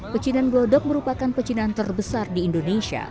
percinaan glodok merupakan percinaan terbesar di indonesia